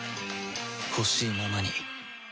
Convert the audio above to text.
ほしいままに